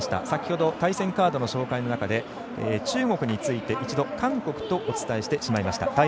先ほど対戦カードの紹介の中で中国について、一度韓国とお伝えしてしまいました。